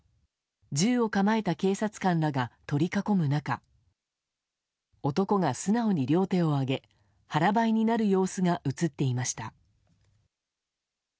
銃を構えた警察官らが取り囲む中男が素直に両手を上げ腹ばいになる様子が映っていました。